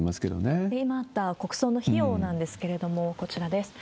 決まった国葬の費用なんですけれども、こちらです。